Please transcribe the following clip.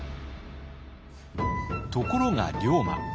ところが龍馬。